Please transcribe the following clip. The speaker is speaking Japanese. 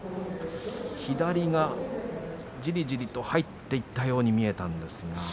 左がじりじりと入っていったように見えたんですが。